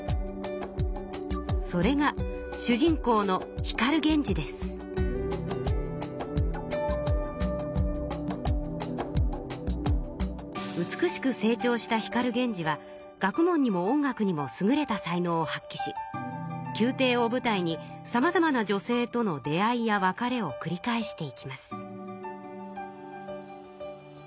それが主人公の美しく成長した光源氏は学問にも音楽にもすぐれた才能を発きしきゅうていをぶたいにさまざまな女性との出会いや別れをくり返していきます。